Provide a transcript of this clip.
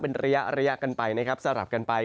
เป็นระยะกันไปนะครับสลับกันไป